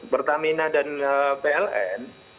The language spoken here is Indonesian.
pertamina dan pln